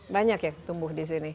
banyak ya tumbuh di sini